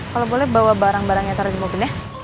kalau boleh bawa barang barangnya taruh di mobil ya